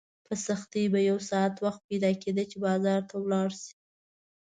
په سختۍ به یو ساعت وخت پیدا کېده چې بازار ته ولاړ شې.